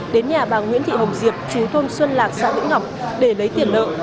đến nhà bà nguyễn thị hồng diệp chú thôn xuân lạc xã nữ ngọc để lấy tiền lợi